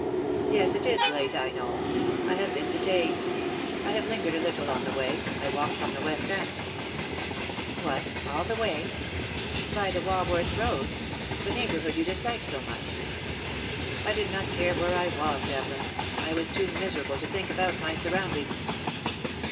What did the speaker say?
"Yes, it is late, I know. I have been detained. I have lingered a little on the way — I walked from the West End." "What, all the way? By the Walworth Road, that low neighbourhood you dislike so much?" "I did not care where I walked, Evelyn. I was too miserable to think about my surroundings."